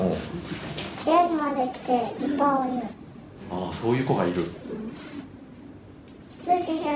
ああそういう子がいる？